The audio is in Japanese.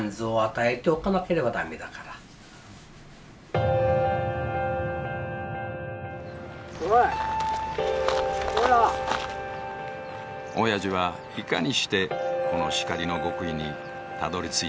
おやじはいかにしてこの叱りの極意にたどりついたのだろうか。